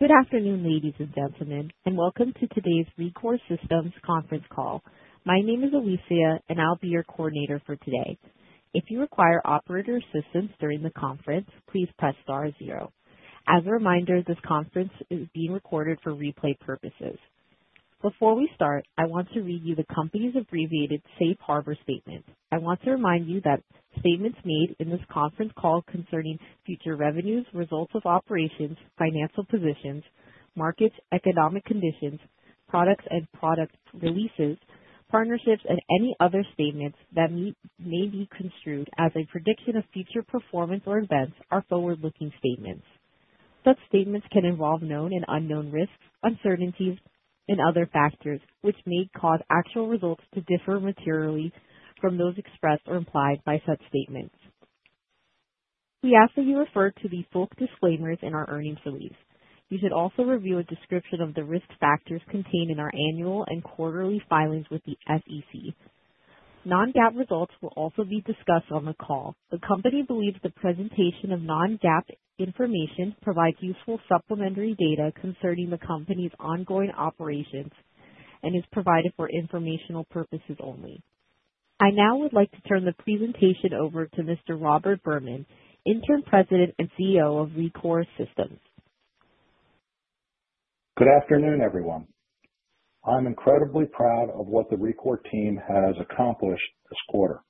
Good afternoon, ladies and gentlemen, and welcome to today's Rekor Systems conference call. My name is Alicia, and I'll be your coordinator for today. If you require operator assistance during the conference, please press star zero. As a reminder, this conference is being recorded for replay purposes. Before we start, I want to read you the company's abbreviated Safe Harbor Statement. I want to remind you that statements made in this conference call concerning future revenues, results of operations, financial positions, market economic conditions, products and product releases, partnerships, and any other statements that may be construed as a prediction of future performance or events are forward-looking statements. Such statements can involve known and unknown risks, uncertainties, and other factors which may cause actual results to differ materially from those expressed or implied by such statements. We ask that you refer to the full disclaimers in our earnings release. You should also review a description of the risk factors contained in our annual and quarterly filings with the SEC. Non-GAAP results will also be discussed on the call. The company believes the presentation of non-GAAP information provides useful supplementary data concerning the company's ongoing operations and is provided for informational purposes only. I now would like to turn the presentation over to Mr. Robert Berman, Interim President and CEO of Rekor Systems. Good afternoon, everyone. I'm incredibly proud of what the Rekor team has accomplished this quarter,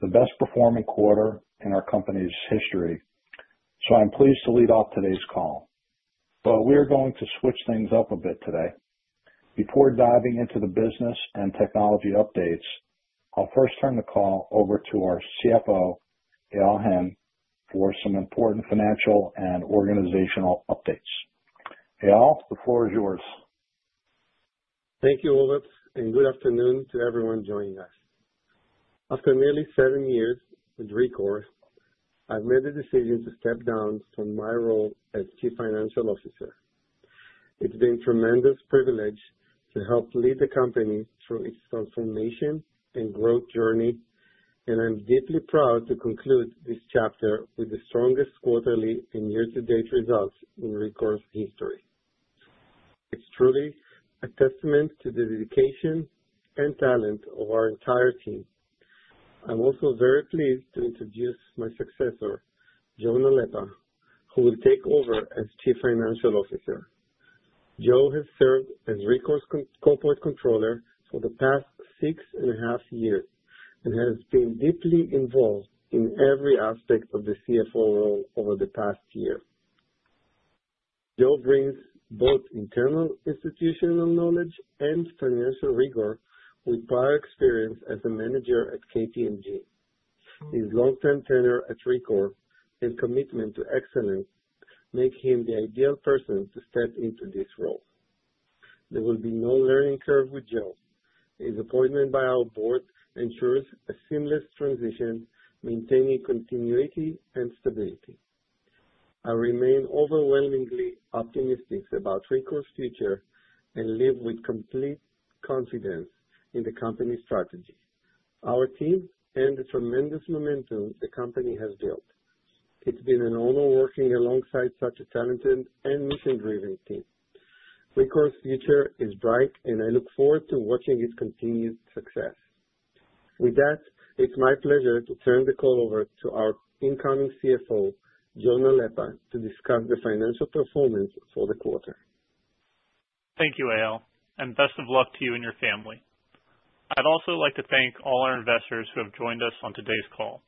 the best-performing quarter in our company's history, so I'm pleased to lead off today's call. We are going to switch things up a bit today. Before diving into the business and technology updates, I'll first turn the call over to our CFO, Eyal Hen, for some important financial and organizational updates. Eyal, the floor is yours. Thank you, Olef, and good afternoon to everyone joining us. After nearly seven years with Rekor, I've made the decision to step down from my role as Chief Financial Officer. It's been a tremendous privilege to help lead the company through its transformation and growth journey, and I'm deeply proud to conclude this chapter with the strongest quarterly and year-to-date results in Rekor's history. It's truly a testament to the dedication and talent of our entire team. I'm also very pleased to introduce my successor, Joe Nalepa, who will take over as Chief Financial Officer. Joe has served as Rekor's corporate controller for the past six and a half years and has been deeply involved in every aspect of the CFO role over the past year. Joe brings both internal institutional knowledge and financial rigor with prior experience as a manager at KPMG. His long-term tenure at Rekor and commitment to excellence make him the ideal person to step into this role. There will be no learning curve with Joe. His appointment by our board ensures a seamless transition, maintaining continuity and stability. I remain overwhelmingly optimistic about Rekor's future and live with complete confidence in the company's strategy, our team, and the tremendous momentum the company has built. It's been an honor working alongside such a talented and mission-driven team. Rekor's future is bright, and I look forward to watching its continued success. With that, it's my pleasure to turn the call over to our incoming CFO, Joe Nalepa, to discuss the financial performance for the quarter. Thank you, Eyal, and best of luck to you and your family. I'd also like to thank all our investors who have joined us on today's call.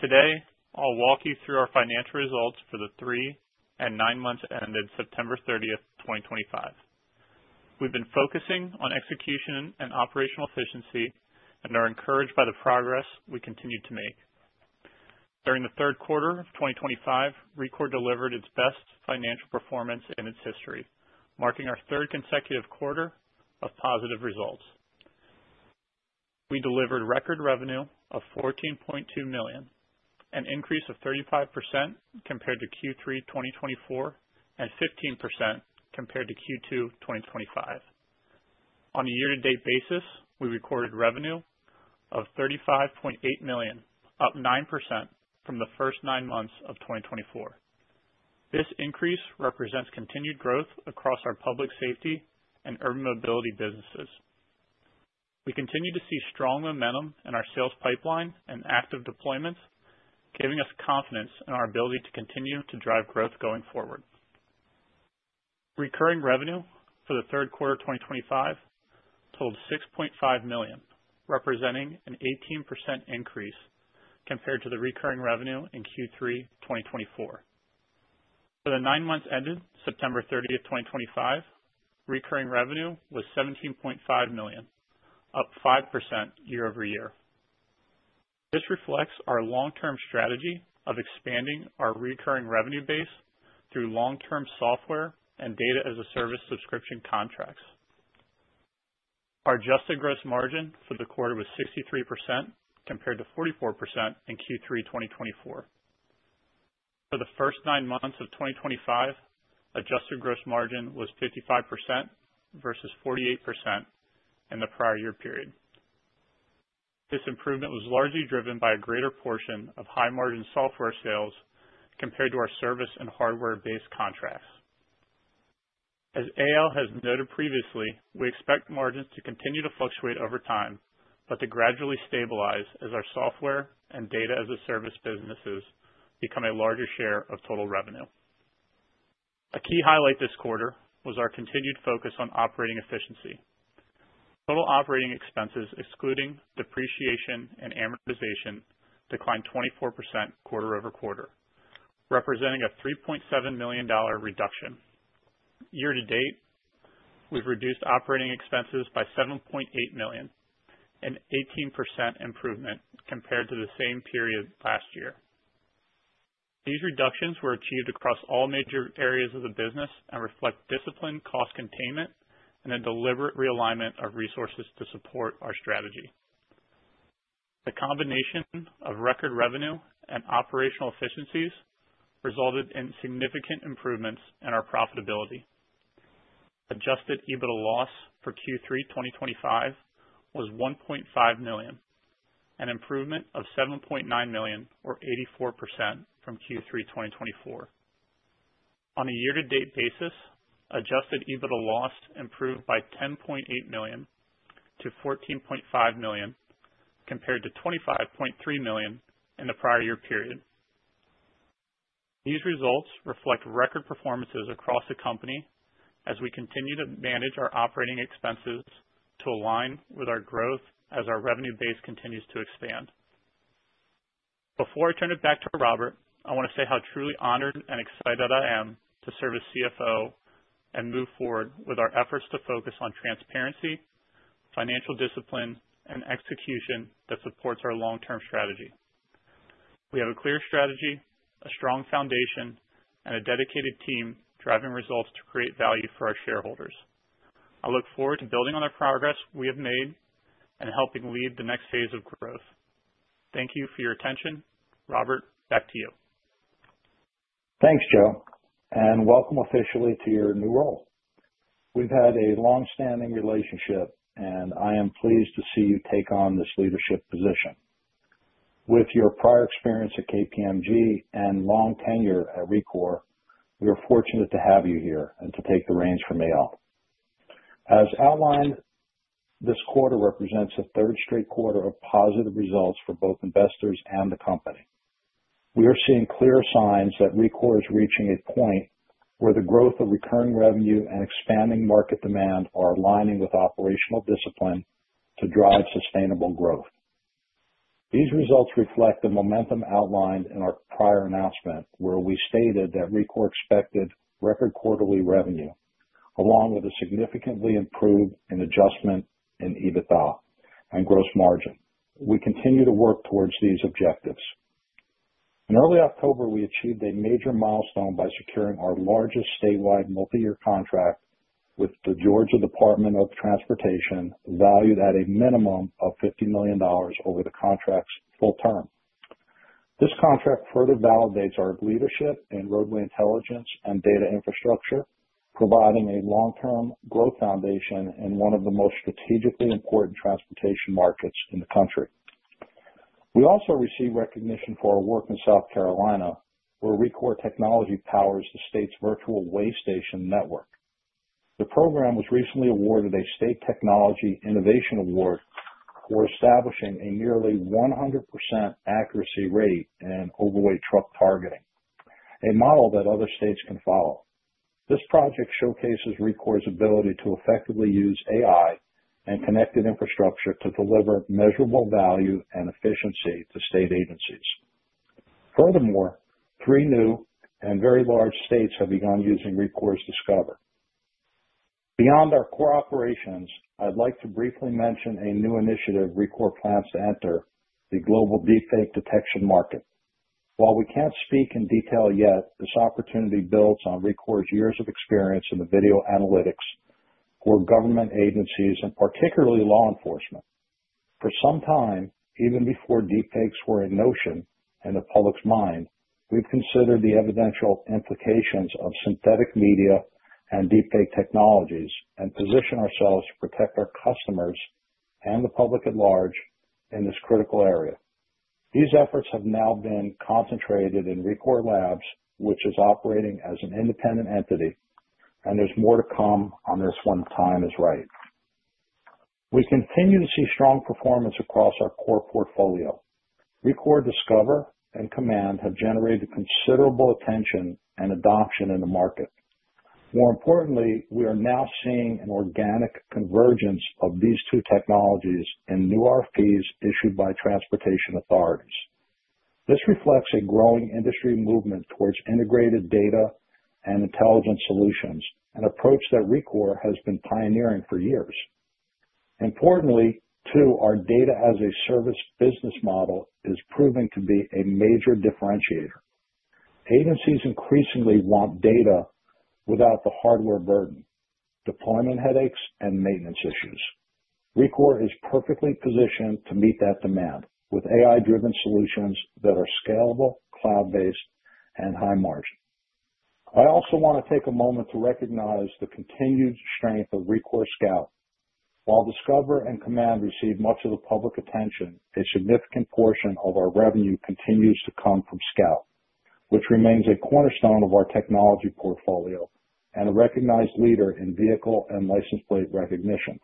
Today, I'll walk you through our financial results for the 3 and 9 months ended September 30th, 2025. We've been focusing on execution and operational efficiency and are encouraged by the progress we continue to make. During the third quarter of 2025, Rekor delivered its best financial performance in its history, marking our third consecutive quarter of positive results. We delivered record revenue of $14.2 million, an increase of 35% compared to Q3 2024 and 15% compared to Q2 2025. On a year-to-date basis, we recorded revenue of $35.8 million, up 9% from the first 9 months of 2024. This increase represents continued growth across our public safety and urban mobility businesses. We continue to see strong momentum in our sales pipeline and active deployments, giving us confidence in our ability to continue to drive growth going forward. Recurring revenue for the third quarter of 2025 totaled $6.5 million, representing an 18% increase compared to the recurring revenue in Q3 2024. For the nine months ended September 30, 2025, recurring revenue was $17.5 million, up 5% year-over-year. This reflects our long-term strategy of expanding our recurring revenue base through long-term software and Data-as-a-Service subscription contracts. Our adjusted gross margin for the quarter was 63% compared to 44% in Q3 2024. For the first 9 months of 2025, adjusted gross margin was 55% versus 48% in the prior year period. This improvement was largely driven by a greater portion of high-margin software sales compared to our service and hardware-based contracts. As Eyal has noted previously, we expect margins to continue to fluctuate over time but to gradually stabilize as our software and Data-as-a-Service businesses become a larger share of total revenue. A key highlight this quarter was our continued focus on operating efficiency. Total operating expenses, excluding depreciation and amortization, declined 24% quarter-over-quarter, representing a $3.7 million reduction. Year to date, we've reduced operating expenses by $7.8 million, an 18% improvement compared to the same period last year. These reductions were achieved across all major areas of the business and reflect discipline, cost containment, and a deliberate realignment of resources to support our strategy. The combination of record revenue and operational efficiencies resulted in significant improvements in our profitability. Adjusted EBITDA loss for Q3 2025 was $1.5 million, an improvement of $7.9 million, or 84% from Q3 2024. On a year-to-date basis, adjusted EBITDA loss improved by $10.8 million to $14.5 million compared to $25.3 million in the prior year period. These results reflect record performances across the company as we continue to manage our operating expenses to align with our growth as our revenue base continues to expand. Before I turn it back to Robert, I want to say how truly honored and excited I am to serve as CFO and move forward with our efforts to focus on transparency, financial discipline, and execution that supports our long-term strategy. We have a clear strategy, a strong foundation, and a dedicated team driving results to create value for our shareholders. I look forward to building on the progress we have made and helping lead the next phase of growth. Thank you for your attention. Robert, back to you. Thanks, Joe, and welcome officially to your new role. We've had a long-standing relationship, and I am pleased to see you take on this leadership position. With your prior experience at KPMG and long tenure at Rekor, we are fortunate to have you here and to take the reins from Eyal. As outlined, this quarter represents a third straight quarter of positive results for both investors and the company. We are seeing clear signs that Rekor is reaching a point where the growth of recurring revenue and expanding market demand are aligning with operational discipline to drive sustainable growth. These results reflect the momentum outlined in our prior announcement, where we stated that Rekor expected record quarterly revenue, along with a significantly improved adjustment in EBITDA and gross margin. We continue to work towards these objectives. In early October, we achieved a major milestone by securing our largest statewide multi-year contract with the Georgia Department of Transportation, valued at a minimum of $50 million over the contract's full term. This contract further validates our leadership in roadway intelligence and data infrastructure, providing a long-term growth foundation in one of the most strategically important transportation markets in the country. We also receive recognition for our work in South Carolina, where Rekor Technology powers the state's virtual weigh station network. The program was recently awarded a State Technology Innovation Award for establishing a nearly 100% accuracy rate in overweight truck targeting, a model that other states can follow. This project showcases Rekor's ability to effectively use AI and connected infrastructure to deliver measurable value and efficiency to state agencies. Furthermore, three new and very large states have begun using Rekor's Discover. Beyond our core operations, I'd like to briefly mention a new initiative Rekor plans to enter the global deepfake detection market. While we can't speak in detail yet, this opportunity builds on Rekor's years of experience in the video analytics for government agencies and particularly law enforcement. For some time, even before deepfakes were a notion in the public's mind, we've considered the evidential implications of synthetic media and deepfake technologies and positioned ourselves to protect our customers and the public at large in this critical area. These efforts have now been concentrated in Rekor Labs, which is operating as an independent entity, and there's more to come on this when the time is right. We continue to see strong performance across our core portfolio. Rekor Discover and Command have generated considerable attention and adoption in the market. More importantly, we are now seeing an organic convergence of these two technologies in new RFPs issued by transportation authorities. This reflects a growing industry movement towards integrated data and intelligence solutions, an approach that Rekor has been pioneering for years. Importantly, too, our Data-as-a-Service business model is proving to be a major differentiator. Agencies increasingly want data without the hardware burden, deployment headaches, and maintenance issues. Rekor is perfectly positioned to meet that demand with AI-driven solutions that are scalable, cloud-based, and high margin. I also want to take a moment to recognize the continued strength of Rekor Scout. While Discover and Command receive much of the public attention, a significant portion of our revenue continues to come from Scout, which remains a cornerstone of our technology portfolio and a recognized leader in vehicle and license plate recognition.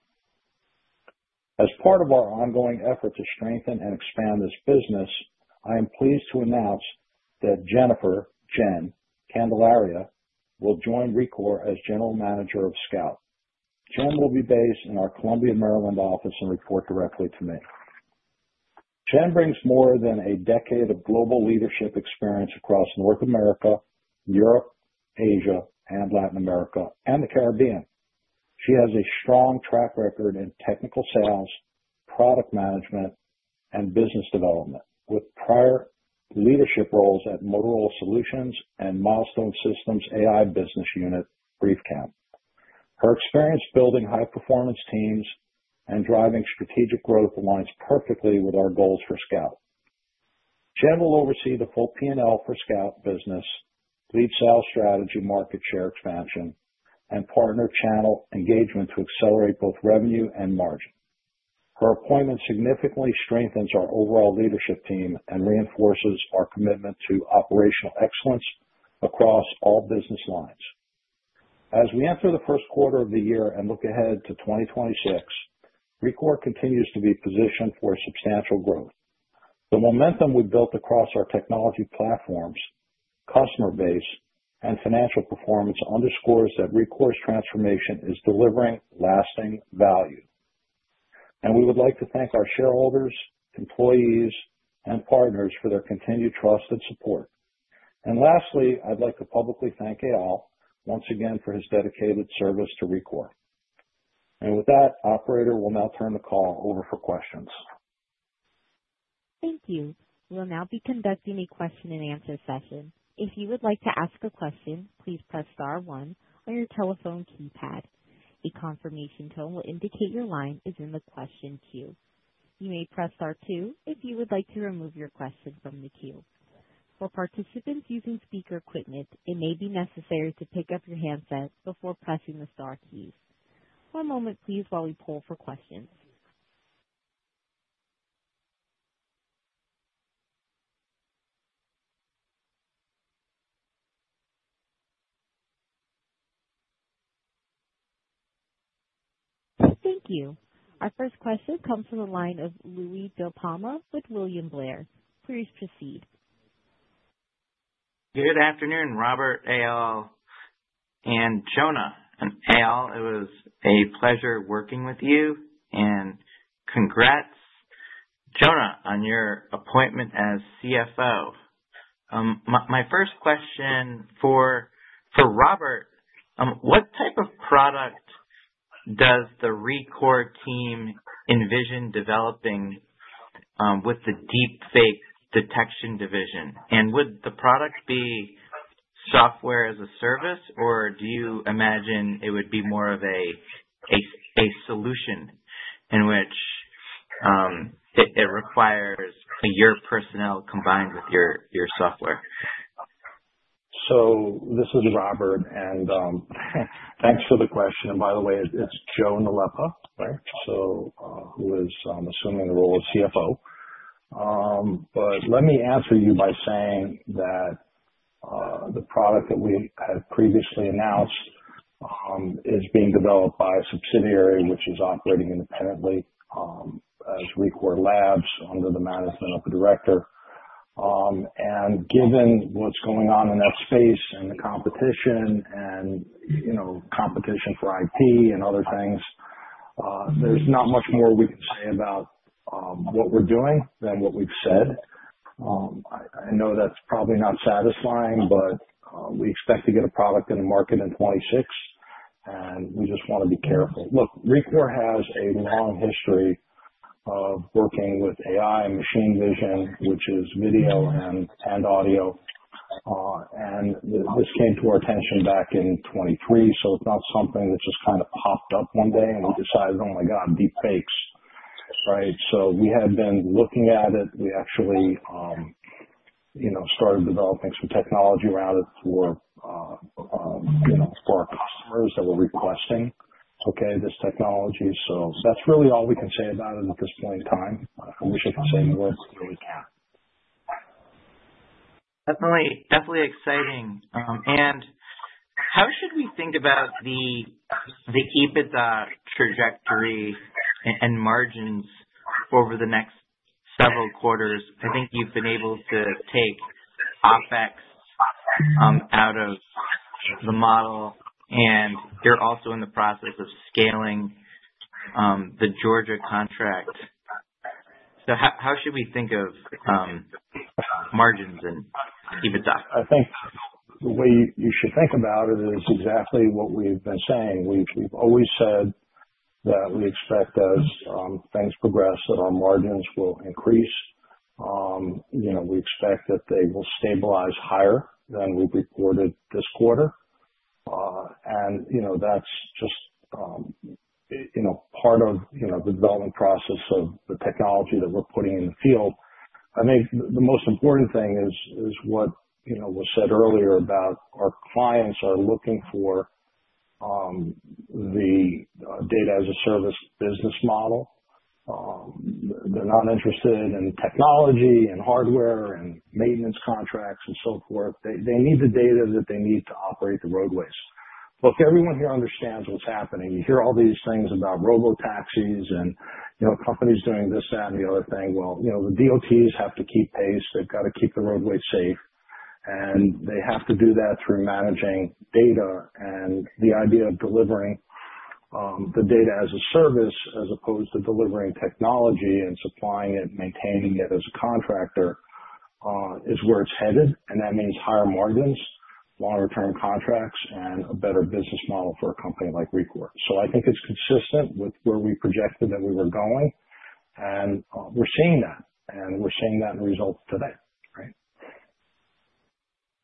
As part of our ongoing effort to strengthen and expand this business, I am pleased to announce that Jennifer Candelaria will join Rekor as General Manager of Scout. Jen will be based in our Columbia, Maryland office and report directly to me. Jen brings more than a decade of global leadership experience across North America, Europe, Asia, Latin America, and the Caribbean. She has a strong track record in technical sales, product management, and business development, with prior leadership roles at Motorola Solutions, Milestone Systems AI Business Unit, and BriefCam. Her experience building high-performance teams and driving strategic growth aligns perfectly with our goals for Scout. Jen will oversee the full P&L for Scout business, lead sales strategy, market share expansion, and partner channel engagement to accelerate both revenue and margin. Her appointment significantly strengthens our overall leadership team and reinforces our commitment to operational excellence across all business lines. As we enter the first quarter of the year and look ahead to 2026, Rekor continues to be positioned for substantial growth. The momentum we've built across our technology platforms, customer base, and financial performance underscores that Rekor's transformation is delivering lasting value. We would like to thank our shareholders, employees, and partners for their continued trust and support. Lastly, I'd like to publicly thank Eyal once again for his dedicated service to Rekor. With that, Operator will now turn the call over for questions. Thank you. We'll now be conducting a question-and-answer session. If you would like to ask a question, please press star one on your telephone keypad. A confirmation tone will indicate your line is in the question queue. You may press star two if you would like to remove your question from the queue. For participants using speaker equipment, it may be necessary to pick up your handset before pressing the star keys. One moment, please, while we pull for questions. Thank you. Our first question comes from the line of Louis DiPalma with William Blair. Please proceed. Good afternoon, Robert, Eyal, and Joe. And Eyal, it was a pleasure working with you, and congrats, Joe, on your appointment as CFO. My first question for Robert: what type of product does the Rekor team envision developing with the deepfake detection division? And would the product be software as a service, or do you imagine it would be more of a solution in which it requires your personnel combined with your software? This is Robert, and thanks for the question. By the way, it is Joe Nalepa, right, who is assuming the role of CFO. Let me answer you by saying that the product that we had previously announced is being developed by a subsidiary, which is operating independently as Rekor Labs under the management of the director. Given what is going on in that space and the competition and competition for IP and other things, there is not much more we can say about what we are doing than what we have said. I know that is probably not satisfying, but we expect to get a product in the market in 2026, and we just want to be careful. Look, Rekor has a long history of working with AI and machine vision, which is video and audio. This came to our attention back in 2023, so it's not something that just kind of popped up one day and we decided, "Oh my God, deepfakes," right? We had been looking at it. We actually started developing some technology around it for our customers that were requesting, "Okay, this technology." That's really all we can say about it at this point in time. I wish I could say more because I really can't. Definitely exciting. How should we think about the EBITDA trajectory and margins over the next several quarters? I think you've been able to take OpEx out of the model, and you're also in the process of scaling the Georgia contract. How should we think of margins and EBITDA? I think the way you should think about it is exactly what we've been saying. We've always said that we expect as things progress that our margins will increase. We expect that they will stabilize higher than we reported this quarter. That is just part of the development process of the technology that we're putting in the field. I think the most important thing is what was said earlier about our clients are looking for the Data-as-a-Service business model. They're not interested in technology and hardware and maintenance contracts and so forth. They need the data that they need to operate the roadways. Look, everyone here understands what's happening. You hear all these things about robotaxis and companies doing this, that, and the other thing. The DOTs have to keep pace. They've got to keep the roadway safe, and they have to do that through managing data. The idea of delivering the Data-as-a-Service as opposed to delivering technology and supplying it and maintaining it as a contractor is where it is headed. That means higher margins, longer-term contracts, and a better business model for a company like Rekor. I think it is consistent with where we projected that we were going, and we are seeing that. We are seeing that in results today, right?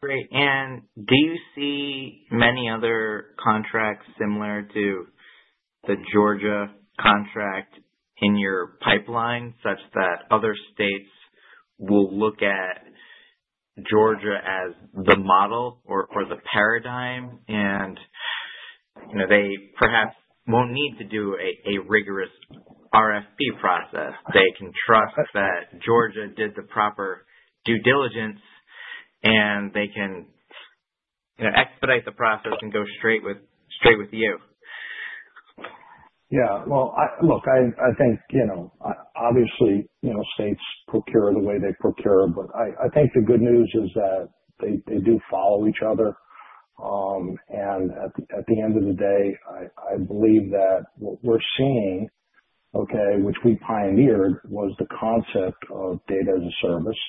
Great. Do you see many other contracts similar to the Georgia contract in your pipeline, such that other states will look at Georgia as the model or the paradigm? They perhaps will not need to do a rigorous RFP process. They can trust that Georgia did the proper due diligence, and they can expedite the process and go straight with you. Yeah. Look, I think obviously states procure the way they procure, but I think the good news is that they do follow each other. At the end of the day, I believe that what we're seeing, okay, which we pioneered was the concept of Data-as-a-Service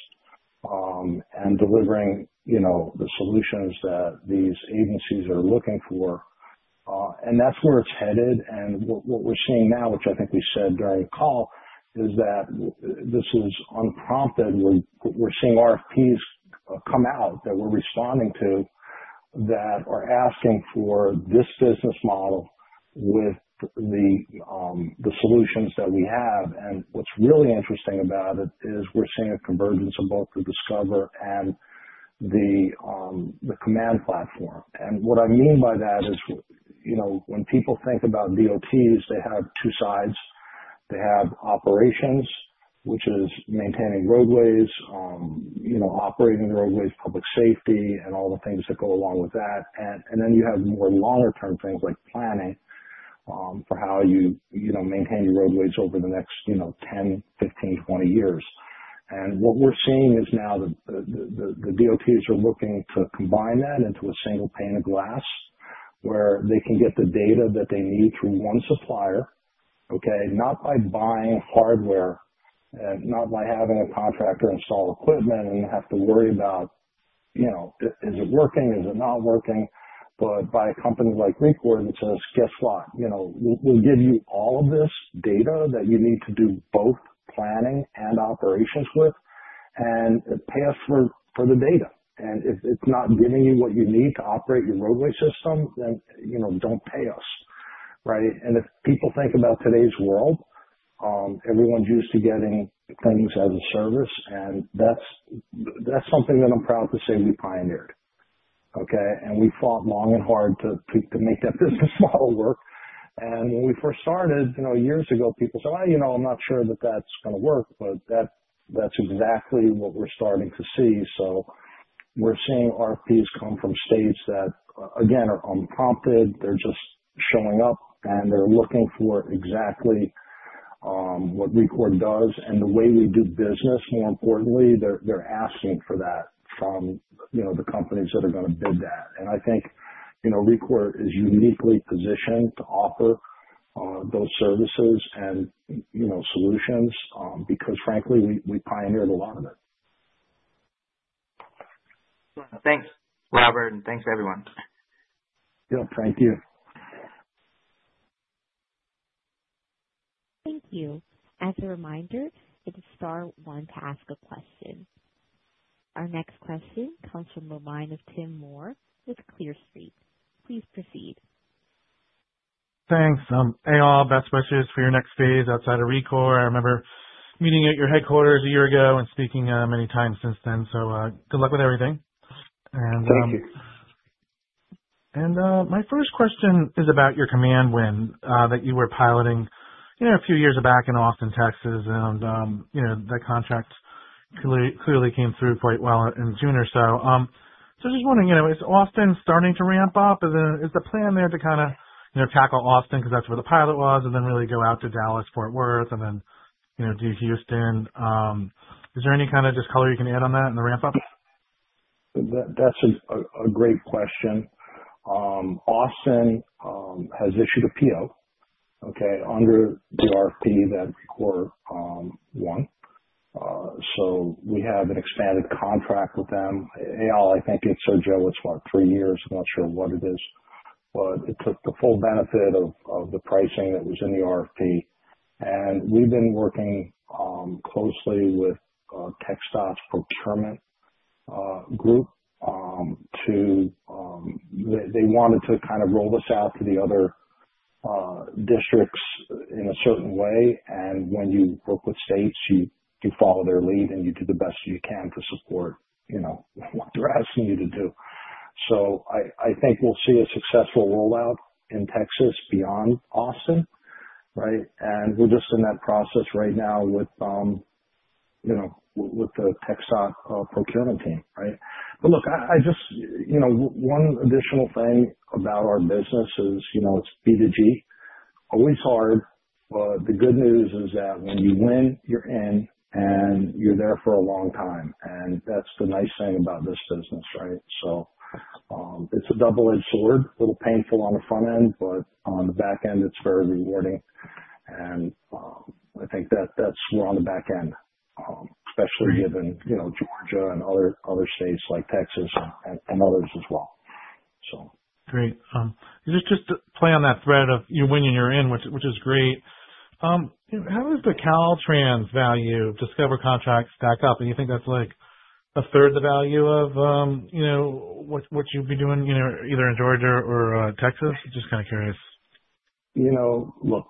and delivering the solutions that these agencies are looking for. That's where it's headed. What we're seeing now, which I think we said during the call, is that this is unprompted. We're seeing RFPs come out that we're responding to that are asking for this business model with the solutions that we have. What's really interesting about it is we're seeing a convergence of both the Discover and the Command platform. What I mean by that is when people think about DOTs, they have two sides. They have operations, which is maintaining roadways, operating roadways, public safety, and all the things that go along with that. You have more longer-term things like planning for how you maintain your roadways over the next 10, 15, 20 years. What we're seeing is now that the DOTs are looking to combine that into a single pane of glass where they can get the data that they need through one supplier, okay, not by buying hardware and not by having a contractor install equipment and have to worry about, "Is it working? Is it not working?" but by companies like Rekor that says, "Guess what? We'll give you all of this data that you need to do both planning and operations with and pay us for the data. If it's not giving you what you need to operate your roadway system, then don't pay us," right? If people think about today's world, everyone's used to getting things as a service, and that's something that I'm proud to say we pioneered, okay? We fought long and hard to make that business model work. When we first started years ago, people said, "Well, I'm not sure that that's going to work," but that's exactly what we're starting to see. We're seeing RFPs come from states that, again, are unprompted. They're just showing up, and they're looking for exactly what Rekor does. The way we do business, more importantly, they're asking for that from the companies that are going to bid that. I think Rekor is uniquely positioned to offer those services and solutions because, frankly, we pioneered a lot of it. Thanks, Robert, and thanks, everyone. Yeah, thank you. Thank you. As a reminder, it is star one to ask a question. Our next question comes from the line of Tim Moore with Clear Street. Please proceed. Thanks. Eyal, best wishes for your next phase outside of Rekor. I remember meeting at your headquarters a year ago and speaking many times since then. Good luck with everything. Thank you. My first question is about your Command win that you were piloting a few years back in Austin, Texas, and that contract clearly came through quite well in June or so. Just wondering, is Austin starting to ramp up? Is the plan there to kind of tackle Austin because that's where the pilot was, and then really go out to Dallas, Fort Worth, and then do Houston? Is there any kind of color you can add on that in the ramp-up? That's a great question. Austin has issued a PO, okay, under the RFP that Rekor won. So we have an expanded contract with them. Eyal, I think it's or Joe, it's about three years. I'm not sure what it is, but it took the full benefit of the pricing that was in the RFP. And we've been working closely with TxDOT's Procurement Group to they wanted to kind of roll us out to the other districts in a certain way. When you work with states, you follow their lead, and you do the best you can to support what they're asking you to do. I think we'll see a successful rollout in Texas beyond Austin, right? We're just in that process right now with the TxDOT Procurement team, right? Look, I just one additional thing about our business is it's B2G. Always hard. The good news is that when you win, you're in, and you're there for a long time. That's the nice thing about this business, right? It's a double-edged sword, a little painful on the front end, but on the back end, it's very rewarding. I think we're on the back end, especially given Georgia and other states like Texas and others as well. Great. Just to play on that thread of you're winning, you're in, which is great. How does the Caltrans value Discover contracts stack up? Do you think that's like a third of the value of what you'd be doing either in Georgia or Texas? Just kind of curious. Look,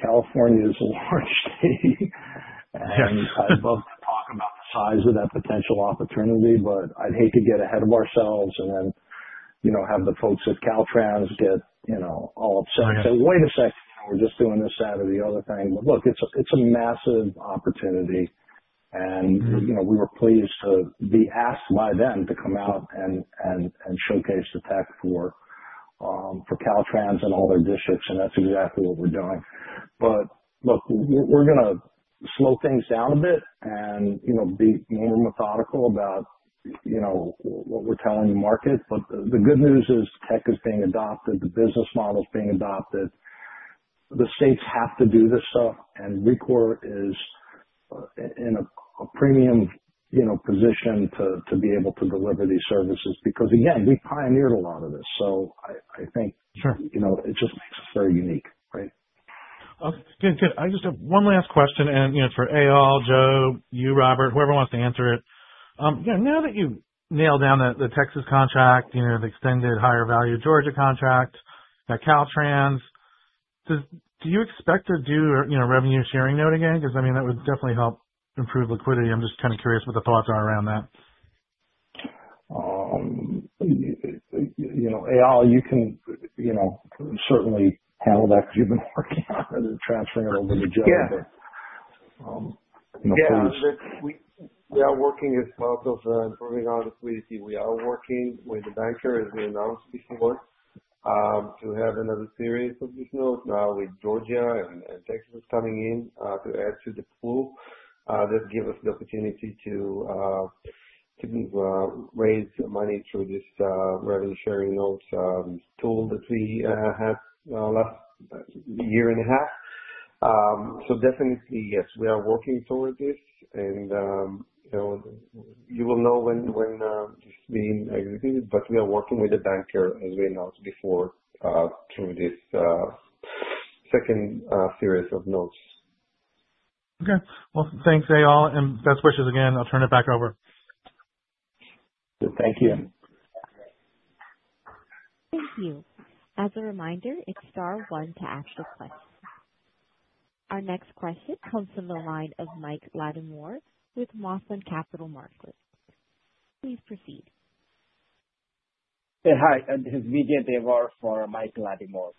California is a large state, and I'd love to talk about the size of that potential opportunity, but I'd hate to get ahead of ourselves and then have the folks at Caltrans get all upset and say, "Wait a second. We're just doing this side of the other thing." Look, it's a massive opportunity, and we were pleased to be asked by them to come out and showcase the tech for Caltrans and all their districts, and that's exactly what we're doing. We're going to slow things down a bit and be more methodical about what we're telling the market. The good news is tech is being adopted. The business model is being adopted. The states have to do this stuff, and Rekor is in a premium position to be able to deliver these services because, again, we pioneered a lot of this. I think it just makes us very unique, right? Okay. Good, good. I just have one last question. For Eyal, Joe, you, Robert, whoever wants to answer it. Now that you've nailed down the Texas contract, the extended higher value Georgia contract, that Caltrans, do you expect to do a revenue sharing note again? I mean, that would definitely help improve liquidity. I'm just kind of curious what the thoughts are around that. Eyal, you can certainly handle that because you've been working on it and transferring it over to Joe, but please. Yeah. We are working as well to improve our liquidity. We are working with the banker, as we announced before, to have another series of this note. Now with Georgia and Texas coming in to add to the pool, that gives us the opportunity to raise money through this revenue sharing note tool that we had last year and a half. Definitely, yes, we are working towards this. You will know when this is being executed, but we are working with the banker, as we announced before, through this second series of notes. Okay. Thanks, Eyal. Best wishes again. I'll turn it back over. Thank you. Thank you. As a reminder, it's star one to ask a question. Our next question comes from the line of Mike Lattimore with Mossman Capital Markets. Please proceed. Hi. This is Vijay Devar for Mike Lattimore.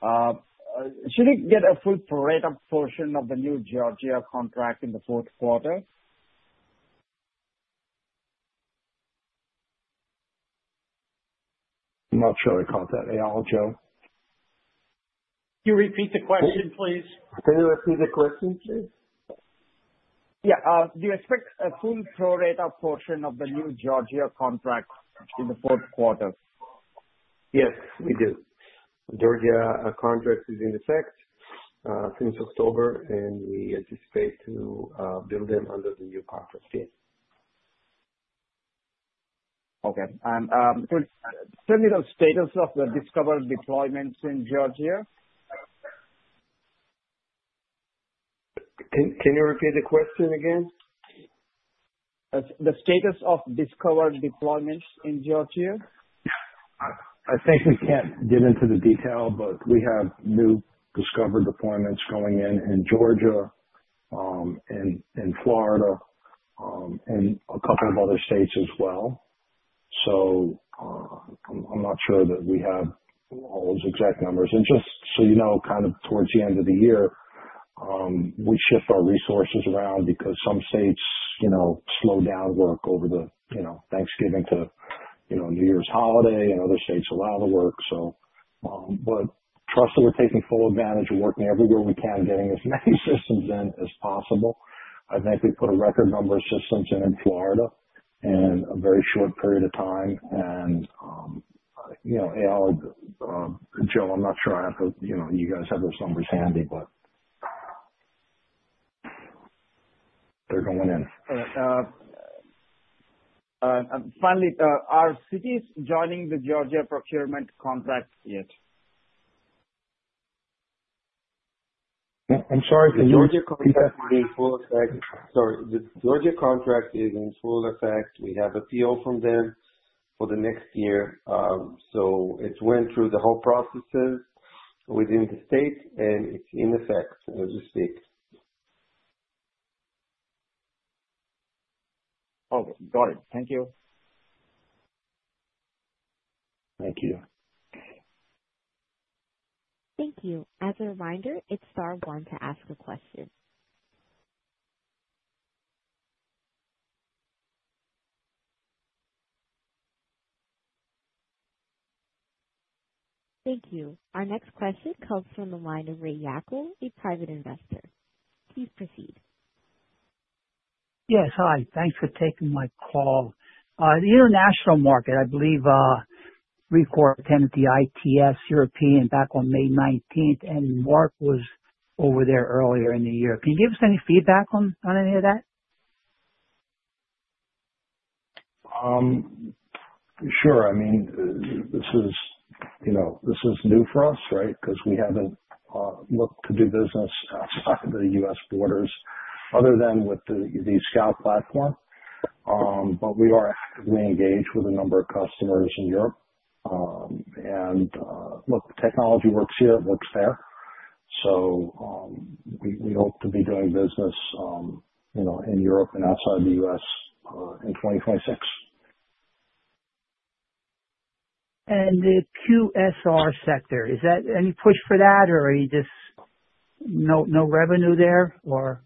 Should we get a full parade-up portion of the new Georgia contract in the fourth quarter? I'm not sure I caught that, Eyal, Joe. Can you repeat the question, please? Can you repeat the question, please? Yeah. Do you expect a full ramp-up portion of the new Georgia contract in the fourth quarter? Yes, we do. Georgia contracts are in effect since October, and we anticipate to bill them under the new contract, yes. Okay. Tell me the status of the Discover deployments in Georgia. Can you repeat the question? The status of Discover deployments in Georgia? I think we can't get into the detail, but we have new Discover deployments going in in Georgia and Florida and a couple of other states as well. I'm not sure that we have all those exact numbers. Just so you know, kind of towards the end of the year, we shift our resources around because some states slow down work over Thanksgiving to New Year's holiday, and other states allow the work. Trust that we're taking full advantage of working everywhere we can, getting as many systems in as possible. I think we put a record number of systems in in Florida in a very short period of time. Eyal and Joe, I'm not sure if you guys have those numbers handy, but they're going in. All right. Finally, are cities joining the Georgia procurement contract yet? I'm sorry. The Georgia contract is in full effect. Sorry. The Georgia contract is in full effect. We have a PO from them for the next year. It went through the whole processes within the state, and it's in effect as we speak. Okay. Got it. Thank you. Thank you. Thank you. As a reminder, it's star one to ask a question. Thank you. Our next question comes from the line of Ray Yakul, a private investor. Please proceed. Yes. Hi. Thanks for taking my call. The international market, I believe Rekor attended the ITS European back on May 19th, and Mark was over there earlier in the year. Can you give us any feedback on any of that? Sure. I mean, this is new for us, right, because we have not looked to do business outside of the U.S. borders other than with the Scout platform. We are actively engaged with a number of customers in Europe. Look, the technology works here. It works there. We hope to be doing business in Europe and outside the U.S. in 2026. The QSR sector, is that any push for that, or are you just no revenue there, or?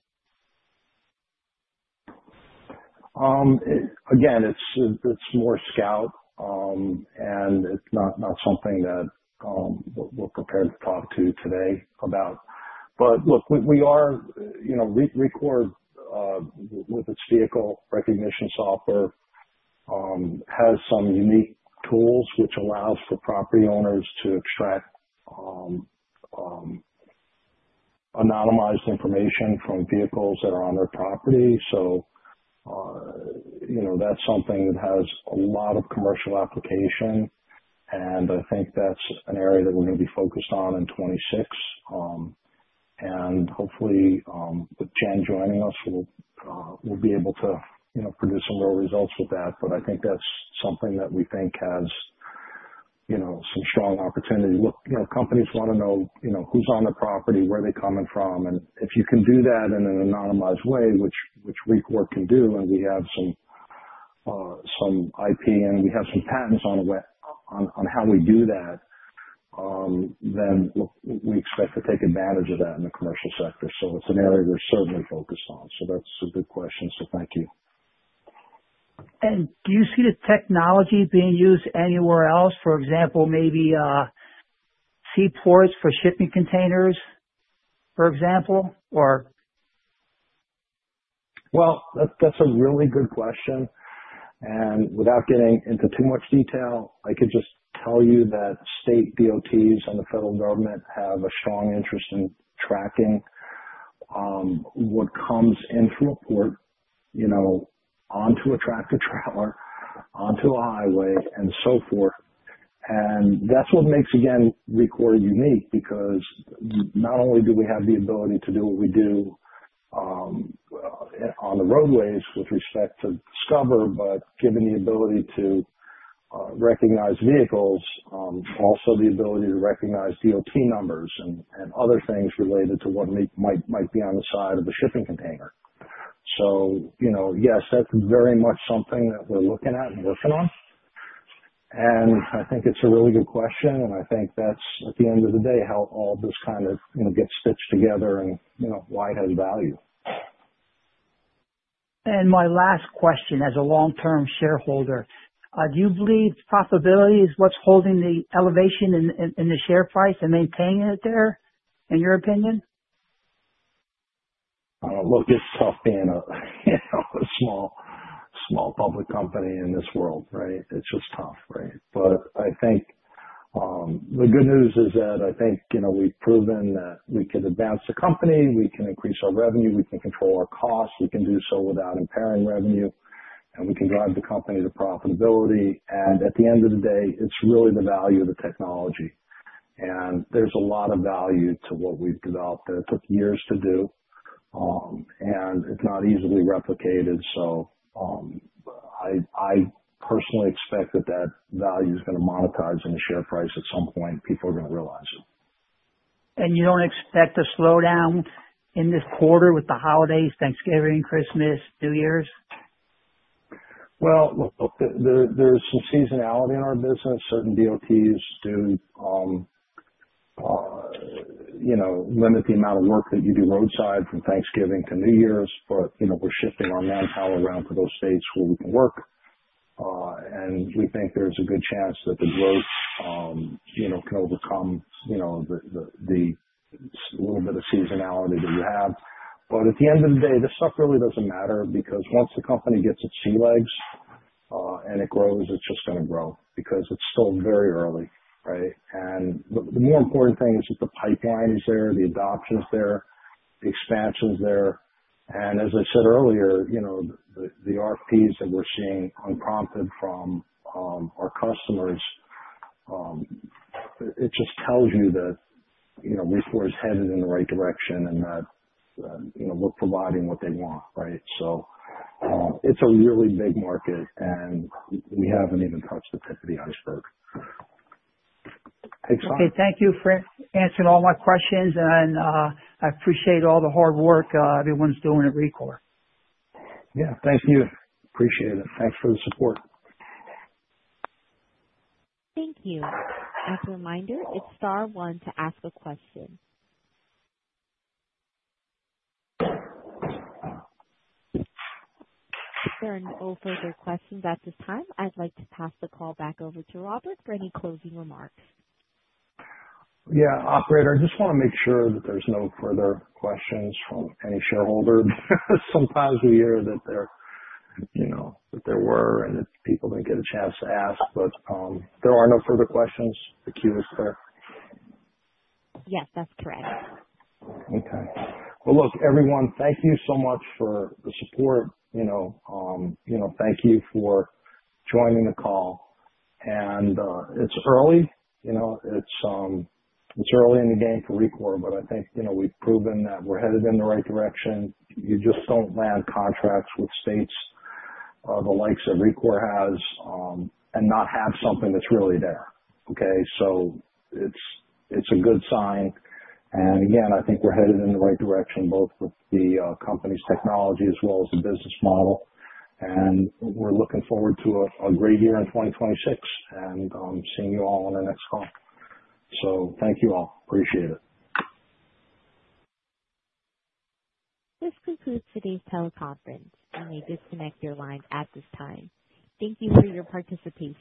Again, it's more Scout, and it's not something that we're prepared to talk to today about. Look, we are Rekor, with its vehicle recognition software, has some unique tools which allows for property owners to extract anonymized information from vehicles that are on their property. That's something that has a lot of commercial application, and I think that's an area that we're going to be focused on in 2026. Hopefully, with Jen joining us, we'll be able to produce some real results with that. I think that's something that we think has some strong opportunity. Companies want to know who's on their property, where they're coming from. If you can do that in an anonymized way, which Rekor can do, and we have some IP and we have some patents on how we do that, then we expect to take advantage of that in the commercial sector. It is an area we are certainly focused on. That is a good question. Thank you. Do you see the technology being used anywhere else? For example, maybe seaports for shipping containers, for example, or? That is a really good question. Without getting into too much detail, I could just tell you that state DOTs and the federal government have a strong interest in tracking what comes in through a port onto a tractor-trailer, onto a highway, and so forth. That is what makes, again, Rekor unique because not only do we have the ability to do what we do on the roadways with respect to Discover, but given the ability to recognize vehicles, also the ability to recognize DOT numbers and other things related to what might be on the side of a shipping container. Yes, that is very much something that we are looking at and working on. I think it is a really good question, and I think that is, at the end of the day, how all this kind of gets stitched together and why it has value. My last question as a long-term shareholder. Do you believe profitability is what is holding the elevation in the share price and maintaining it there, in your opinion? Look, it's tough being a small public company in this world, right? It's just tough, right? I think the good news is that I think we've proven that we can advance the company. We can increase our revenue. We can control our costs. We can do so without impairing revenue, and we can drive the company to profitability. At the end of the day, it's really the value of the technology. There's a lot of value to what we've developed that it took years to do, and it's not easily replicated. I personally expect that that value is going to monetize in the share price at some point. People are going to realize it. You do not expect a slowdown in this quarter with the holidays, Thanksgiving, Christmas, New Year's? Look, there's some seasonality in our business. Certain DOTs do limit the amount of work that you do roadside from Thanksgiving to New Year's, but we're shifting our manpower around to those states where we can work. We think there's a good chance that the growth can overcome the little bit of seasonality that you have. At the end of the day, this stuff really doesn't matter because once the company gets its sea legs and it grows, it's just going to grow because it's still very early, right? The more important thing is that the pipeline is there, the adoption is there, the expansion is there. As I said earlier, the RFPs that we're seeing unprompted from our customers, it just tells you that Rekor is headed in the right direction and that we're providing what they want, right? It's a really big market, and we haven't even touched the tip of the iceberg. Thanks, Tom. Okay. Thank you for answering all my questions, and I appreciate all the hard work everyone's doing at Rekor. Yeah. Thank you. Appreciate it. Thanks for the support. Thank you. As a reminder, it's star one to ask a question. If there are no further questions at this time, I'd like to pass the call back over to Robert for any closing remarks. Yeah. Operator, I just want to make sure that there's no further questions from any shareholder. Sometimes we hear that there were and that people didn't get a chance to ask, but there are no further questions. The queue is clear. Yes, that's correct. Okay. Look, everyone, thank you so much for the support. Thank you for joining the call. It's early. It's early in the game for Rekor, but I think we've proven that we're headed in the right direction. You just don't land contracts with states of the likes that Rekor has and not have something that's really there, okay? It's a good sign. Again, I think we're headed in the right direction, both with the company's technology as well as the business model. We're looking forward to a great year in 2026 and seeing you all on the next call. Thank you all. Appreciate it. This concludes today's teleconference, and we disconnect your lines at this time. Thank you for your participation.